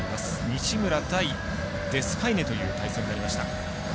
西村対デスパイネという対戦になりました。